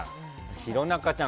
弘中ちゃん